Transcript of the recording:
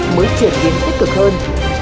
mới chuyển biến tích cực hơn